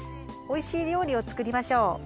おいしい料理をつくりましょう。